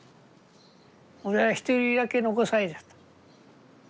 俺は一人だけ残されちゃった。